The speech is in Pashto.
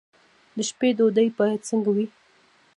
د شپې ډوډۍ باید څنګه وي؟